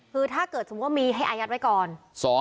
คือถ้าเกิดสมมุติว่ามีให้อายัดไว้ก่อน